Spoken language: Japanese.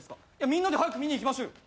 みんなで早く見に行きましょうよ。